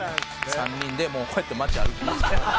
３人でもうこうやって街歩きます。